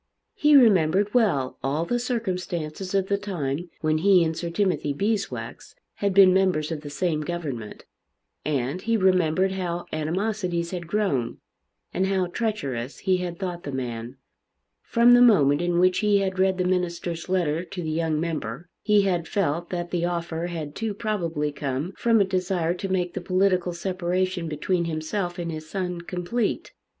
He remembered well all the circumstances of the time when he and Sir Timothy Beeswax had been members of the same government; and he remembered how animosities had grown, and how treacherous he had thought the man. From the moment in which he had read the minister's letter to the young member, he had felt that the offer had too probably come from a desire to make the political separation between himself and his son complete.